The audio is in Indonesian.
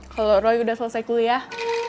kalau roy udah selesai kuliah